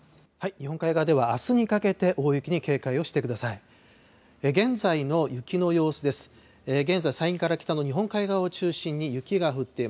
日本海側ではあすにかけて、大雪に警戒をしてください。